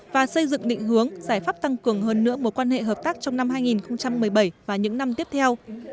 và xây dựng định hướng giải pháp tăng cường hơn nữa mối quan hệ hợp tác trong năm hai nghìn một mươi bảy và những năm tiếp theo